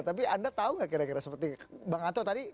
tapi anda tahu nggak kira kira seperti bang anto tadi